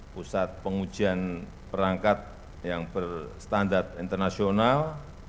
pusat pengujian perangkat yang berstandar internasional